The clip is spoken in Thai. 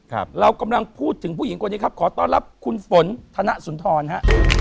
เรากำลังพูดถึงผู้หญิงคนนี้ครับขอต้อนรับคุณฝนธนสุนทรฮะ